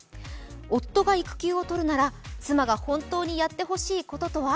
夫が育休を取るなら妻が本当にやってほしいこととは？